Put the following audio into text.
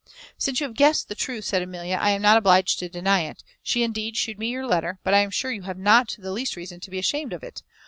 "Since you have guessed the truth," said Amelia, "I am not obliged to deny it. She, indeed, shewed me your letter, but I am sure you have not the least reason to be ashamed of it.